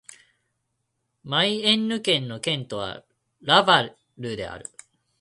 マイエンヌ県の県都はラヴァルである